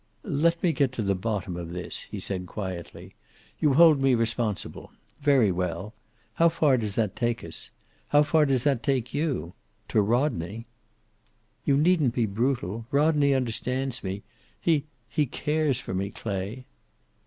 "Let me get to the bottom of this," he said quietly. "You hold me responsible. Very well. How far does that take us? How far does that take you? To Rodney!" "You needn't be brutal. Rodney understands me. He he cares for me, Clay."